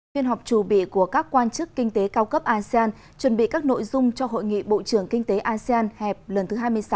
phiên họp chủ bị của các quan chức kinh tế cao cấp asean chuẩn bị các nội dung cho hội nghị bộ trưởng kinh tế asean hẹp lần thứ hai mươi sáu